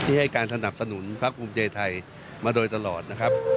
ที่ให้การสนับสนุนพระคุมเจไทยมาโดยตลอดนะครับ